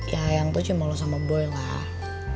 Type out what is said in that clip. ya yang gue cuma lo sama boy lah